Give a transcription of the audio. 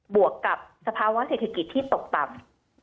วกกับสภาวะเศรษฐกิจที่ตกต่ำ